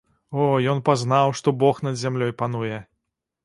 О, ён пазнаў, што бог над зямлёй пануе!